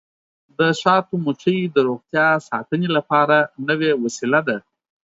د شاتو مچۍ د روغتیا ساتنې لپاره نوې وسیله ده.